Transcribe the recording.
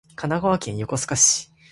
神奈川県横須賀市